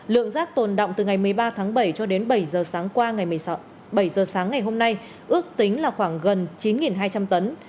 lượng rác tồn động từ ngày một mươi ba tháng bảy cho đến bảy giờ sáng ngày hôm nay ước tính là khoảng gần chín hai trăm linh tấn